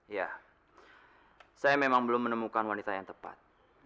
ya saya memang belum menemukan wanita yang tepat